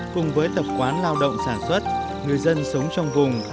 cùng với tập quán lao động sản xuất người dân sống trong vùng